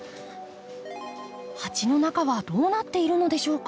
鉢の中はどうなっているのでしょうか？